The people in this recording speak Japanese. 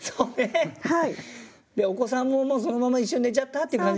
でお子さんももうそのまま一緒に寝ちゃったっていう感じなのかな。